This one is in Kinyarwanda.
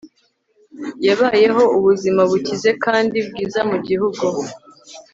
yabayeho ubuzima bukize kandi bwiza mugihugu